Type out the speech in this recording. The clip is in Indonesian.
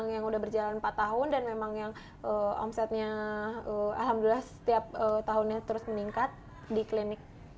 yang sudah berjalan empat tahun dan memang omsetnya setiap tahunnya terus meningkat di klinik